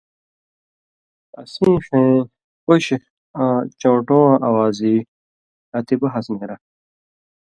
”اسِیں ݜَیں اوشہۡ آں ڇؤن٘ٹو واں اوازی، اتی بحث نېرہ“